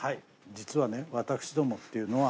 実はね私どもっていうのは。